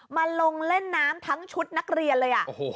มาลงเล่นน้ำทั้งชุดนักเรียนเลย